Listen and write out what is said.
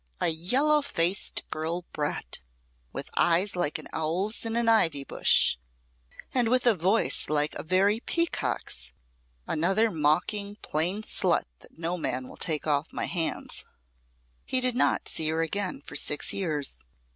A yellow faced girl brat, with eyes like an owl's in an ivy bush, and with a voice like a very peacocks. Another mawking, plain slut that no man will take off my hands." He did not see her again for six years.